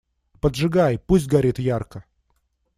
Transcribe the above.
Поджигай, пусть горит ярко!